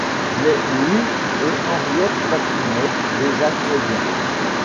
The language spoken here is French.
Mais Louis et Henriette patinaient déjà très bien.